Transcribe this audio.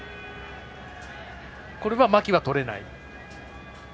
これは牧はとれない？